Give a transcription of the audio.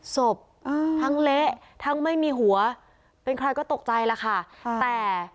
ศพทั้งเละทั้งไม่มีหัวเป็นใครก็ตกใจแล้วค่ะแต่